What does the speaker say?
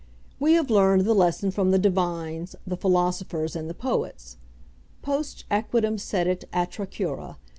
We have learned the lesson from the divines, the philosophers, and the poets. Post equitem sedet atra cura.